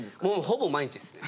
ほぼ毎日っすね。